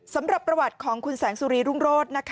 สำหรับประวัติของคุณแสงสุรีรุ่งโรธ